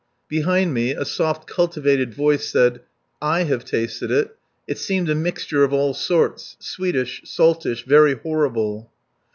Behind me, a soft, cultivated voice said: "I have tasted it. It seemed a mixture of all sorts, sweetish, saltish, very horrible."